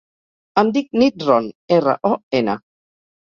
Em dic Nit Ron: erra, o, ena.